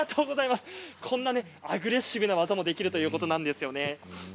こんなアグレッシブな技もできるということなんですよね。